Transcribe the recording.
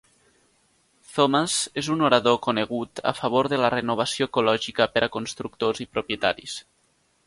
Thomas és un orador conegut a favor de la renovació ecològica per a constructors i propietaris.